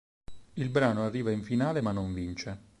Il brano arriva in finale ma non vince.